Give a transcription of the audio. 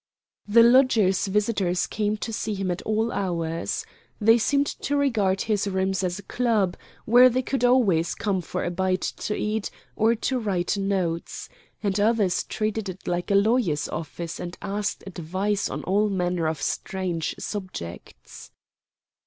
The lodger's visitors came to see him at all hours. They seemed to regard his rooms as a club, where they could always come for a bite to eat or to write notes; and others treated it like a lawyer's office and asked advice on all manner of strange subjects.